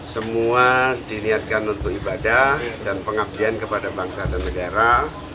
semua diniatkan untuk ibadah dan pengabdian kepada bangsa dan negara